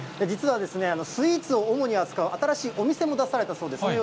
実はですね、スイーツを主に扱う新しいお店も出されたそうです。